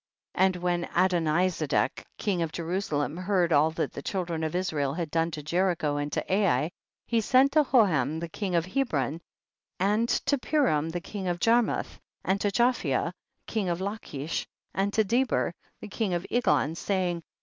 55. And when Adonizedek king of Jerusalem heard all that the child ren of Israel had done to Jericho and to Ai, he sent to Hoham king of Hebron and to Piram king of Jar muth, and to Japhia king of Lachish and to Deber king of Eglon, saying, 56.